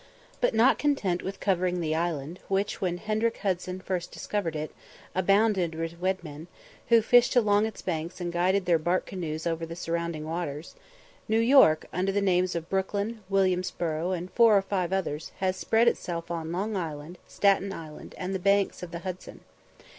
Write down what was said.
But, not content with covering the island, which, when Hendrick Hudson first discovered it, abounded with red men, who fished along its banks and guided their bark canoes over the surrounding waters, New York, under the names of Brooklyn, Williamsburgh, and four or five others, has spread itself on Long Island, Staten Island, and the banks of the Hudson.